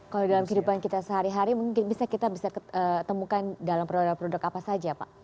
kalau dalam kehidupan kita sehari hari mungkin kita bisa ketemukan dalam produk produk apa saja pak